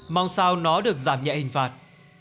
mong sao nó được giảm nhẹ hình phạt